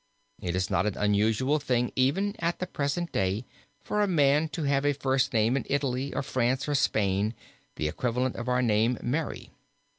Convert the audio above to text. It is not an unusual thing even at the present day for a man to have as a first name in Italy, or France, or Spain, the equivalent of our name Mary.